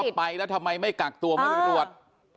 บอกว่าไปแล้วทำไมไม่กักตัวไม่ได้ตรวจ